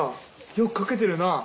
よく書けてるな！